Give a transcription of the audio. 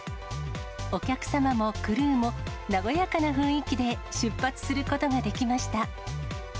お客様もクルーも和やかな雰囲気で出発することができました。